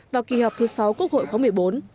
vào kỳ họp thứ sáu quốc hội khóa một mươi bốn